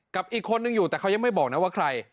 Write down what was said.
กับอีกคนนึงอยู่แต่เขายังไม่บอกนะว่าใคร